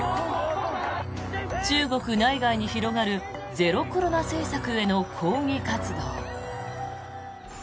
中国内外に広がるゼロコロナ政策への抗議活動。